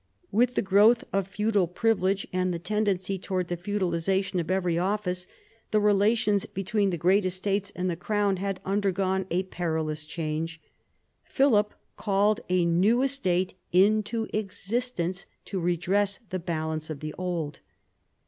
With the growth of feudal privilege, and the tendency towards the feudalisation of every office, the relations between the great estates and the crown had undergone a perilous change. Philip called a new estate into existence to redress the balance of the old.